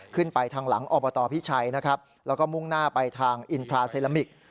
ขึ้นไปทางหลังอบตพิชัยนะครับแล้วก็มุ่งหน้าไปทางอินทราเซลามิก